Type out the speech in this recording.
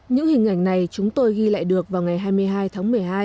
những hình ảnh này chúng tôi ghi lại được vào ngày hai mươi hai tháng một mươi hai